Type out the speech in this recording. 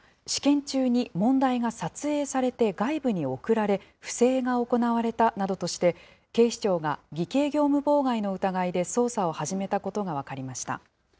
試験中に問題が撮影されて外部に送られ、不正が行われたなどとして、警視庁が偽計業務妨害の疑いで捜査を始めたことが分かりまし